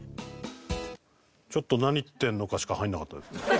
「ちょっと何言ってんのか」しか入らなかったですね。